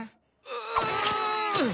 うん。